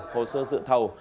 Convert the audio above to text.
hồ sơ dự thầu